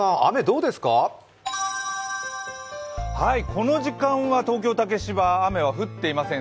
この時間は東京・竹芝雨は降っておりません。